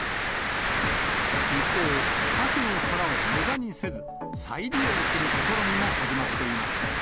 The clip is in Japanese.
一方、カキの殻をむだにせず、再利用する試みも始まっています。